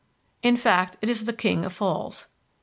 In fact, it is the King of Falls.